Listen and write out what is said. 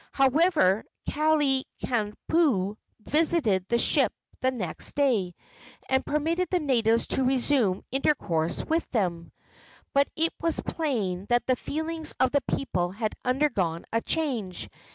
However, Kalaniopuu visited the ships the next day, and permitted the natives to resume intercourse with them. But it was plain that the feelings of the people had undergone a change.